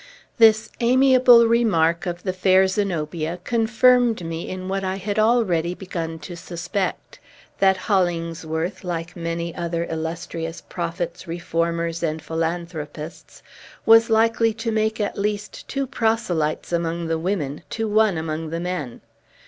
This amiable remark of the fair Zenobia confirmed me in what I had already begun to suspect, that Hollingsworth, like many other illustrious prophets, reformers, and philanthropists, was likely to make at least two proselytes among the women to one among the men.